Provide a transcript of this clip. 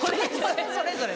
「それぞれ」。